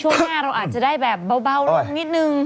ช่วงหน้าเราอาจจะได้แบบเบาลงนิดนึง